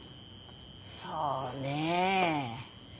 そうねえ。